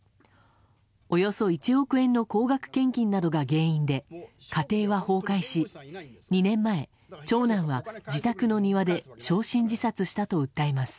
およそ１億円の高額献金などが原因で家庭は崩壊し、２年前長男は自宅の庭で焼身自殺したと訴えます。